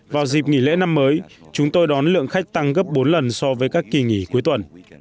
vào dịp nghỉ lễ năm mới chúng tôi đón lượng khách tăng gấp bốn lần so với các kỳ nghỉ cuối tuần